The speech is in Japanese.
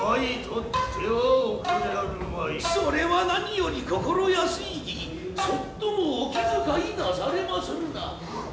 「それは何より心やすいちょっともお気遣いなされまするな」。